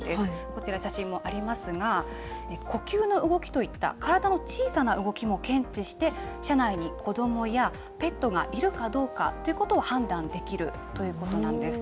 こちら、写真もありますが、呼吸の動きといった体の小さな動きも検知して、車内に子どもやペットがいるかどうかということを判断できるということなんです。